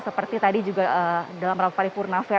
seperti tadi juga dalam rapat purnam